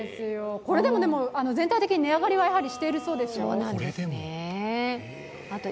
これでも全体的に値上がりはしてるそうですよ。